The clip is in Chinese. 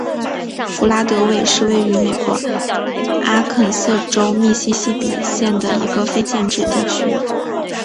弗拉德韦是位于美国阿肯色州密西西比县的一个非建制地区。